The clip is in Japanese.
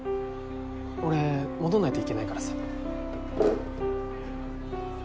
俺戻んないといけないからさ。